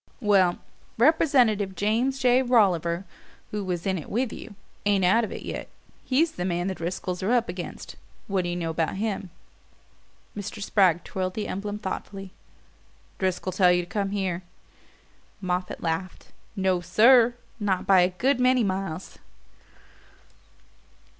"Well, Representative James J. Rolliver, who was in it with you, ain't out of it yet. He's the man the Driscolls are up against. What d'you know about him?" Mr. Spragg twirled the emblem thoughtfully. "Driscoll tell you to come here?" Moffatt laughed. "No, SIR not by a good many miles."